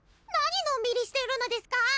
⁉何のんびりしてるのですか！